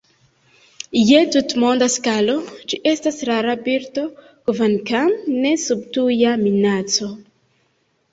Je tutmonda skalo ĝi estas rara birdo, kvankam ne sub tuja minaco.